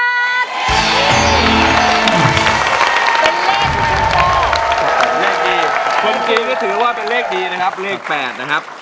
เป็นเลขดีคนจีนก็ถือว่าเป็นเลขดีนะครับเลข๘นะครับ